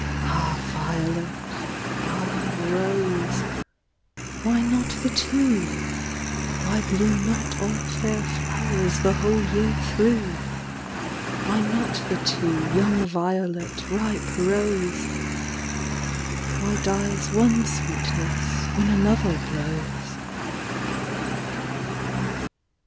Ah violet, ah rose, why not the two ? Why bloom not all fair flowers the whole year through ? Why not the two, young violet, ripe rose ? Why dies one sweetness when another blows